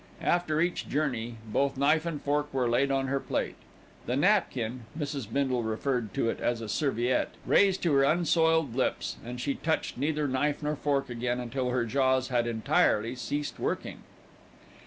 After each journey, both knife and fork were laid on her plate, the napkin Mrs. Bindle referred to it as a serviette raised to her unsoiled lips, and she touched neither knife nor fork again until her jaws had entirely ceased working.